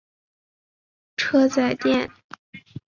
车仔电。